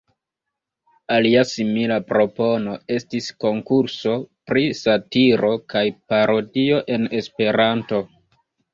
Alia simila propono estis konkurso pri satiro kaj parodio en Esperanto.